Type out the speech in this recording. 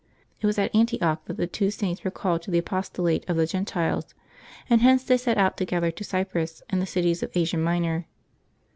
It was at Antioch that the two Saints were called to the apostolate of the Gentiles, and hence they set out together to C}T)rus and the cities of Asia Minor.